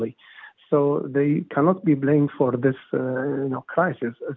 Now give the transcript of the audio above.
jadi mereka tidak bisa diterima untuk krisis ini